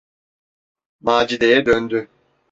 Macide’ye döndü.